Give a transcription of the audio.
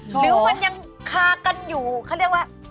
หรือมันยังคากันอยู่เขาเรียกว่า